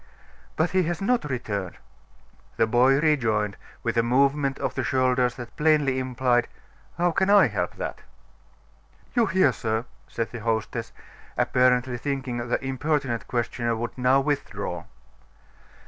"But he has not returned." The boy rejoined, with a movement of the shoulders that plainly implied: "How can I help that?" "You hear, sir," said the hostess, apparently thinking the importunate questioner would now withdraw.